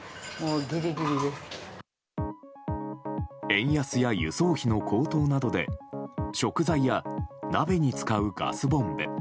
円安や輸送費の高騰などで食材や、鍋に使うガスボンベ